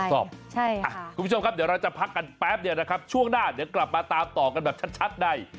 คุณผู้ชมครับเดี๋ยวเราจะพักกันแป๊บเดียวนะครับช่วงหน้าเดี๋ยวกลับมาตามต่อกันแบบชัดใน